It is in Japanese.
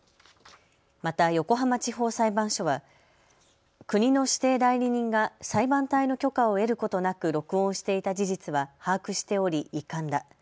また横浜地方裁判所は国の指定代理人が裁判体の許可を得ることなく録音していた事実は把握しており遺憾だ。